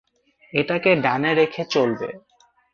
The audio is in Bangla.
এটাকে ডানে রেখে চলবে।